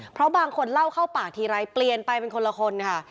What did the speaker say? เพราะบางคนเล่าเข้าปากทีไรเปลี่ยนไปเป็นคนละคนค่ะ